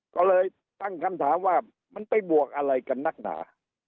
ก็เลยตั้งคำถามว่ามันไปบวกอะไรกันนักหนา